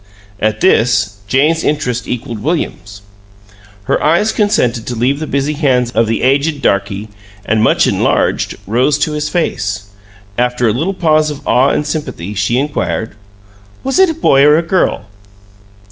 At this, Jane's interest equaled William's. Her eyes consented to leave the busy hands of the aged darky, and, much enlarged, rose to his face. After a little pause of awe and sympathy she inquired: "Was it a boy or a girl?"